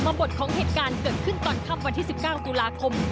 บทของเหตุการณ์เกิดขึ้นตอนค่ำวันที่๑๙ตุลาคม